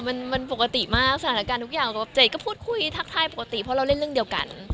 มันปกติมากสถานการณ์ทุกอย่างเจ๋ก็พูดคุยทักทายปกติเพราะเราเล่นเรื่องเดียวกัน